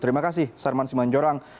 terima kasih sarman simanjorang